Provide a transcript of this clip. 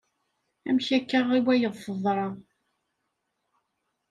Amek akka i wayeḍ teḍra.